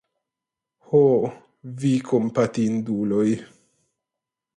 Ho, vi kompatinduloj!